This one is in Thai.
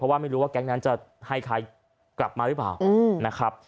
เพราะว่าไม่รู้ว่าแก๊งนั้นจะให้ใครกลับมาหรือเปล่า